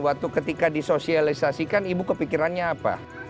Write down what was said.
waktu ketika disosialisasikan ibu kepikirannya apa